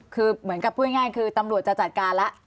คือเหมือนกับพูดง่ายคือตำรวจจะจัดการแล้ว